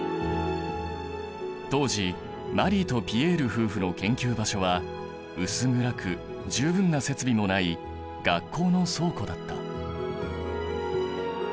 当時マリーとピエール夫婦の研究場所は薄暗く十分な設備もない学校の倉庫だった。